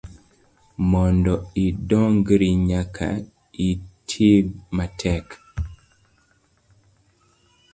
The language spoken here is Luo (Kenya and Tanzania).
Mondo idongri nyaka itimatek.